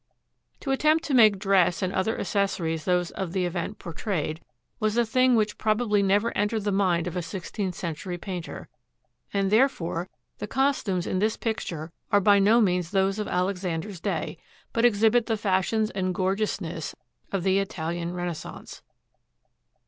To attempt to make dress and other accessories those of the event portrayed, was a thing which probably never en tered the mind of a sixteenth century painter; and there fore the costumes in this picture are by no means those of Alexander's day, but exhibit the fashions and the gorgeous ness of the Italian Renaissance.